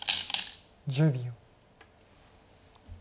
１０秒。